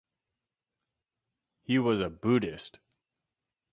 He was a Buddhist.